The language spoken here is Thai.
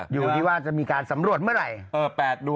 อยู่ที่ว่าจะมีการสำรวจเมื่อไหร่